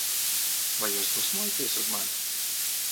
Vai jūs dusmojaties uz mani?